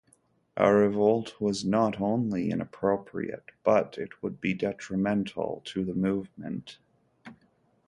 A revolt was not only inappropriate, but it would be detrimental to the movement.